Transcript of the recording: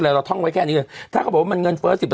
อะไรเราฐ่องไว้แค่นี่ถ้าเขาบอกว่ามันเงินเฟ้อ